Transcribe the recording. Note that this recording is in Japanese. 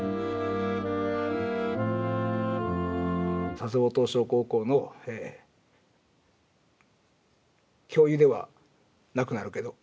佐世保東翔高校の教諭ではなくなるけど。